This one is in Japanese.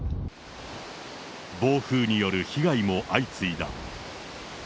暴風による被害も相次いだ。